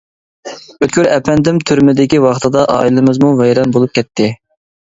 ئۆتكۈر ئەپەندىم تۈرمىدىكى ۋاقتىدا ئائىلىمىزمۇ ۋەيران بولۇپ كەتتى.